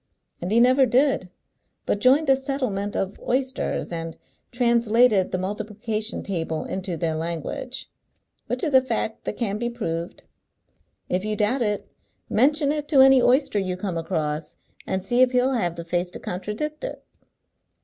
And he never did, but joined a settlement of oysters, and translated the multiplication table into their language, which is a fact that can be proved. If you doubt it, mention it to any oyster you come across, and see if he'll have the face to contradict it."